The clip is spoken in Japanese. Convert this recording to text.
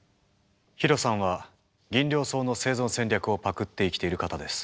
ヒロさんはギンリョウソウの生存戦略をパクって生きている方です。